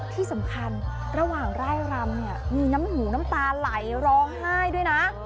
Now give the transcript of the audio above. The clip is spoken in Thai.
ที่สำคัญระหว่างไร้รำมีหนูน้ำตาไหลร้องไห้ด้วยนะ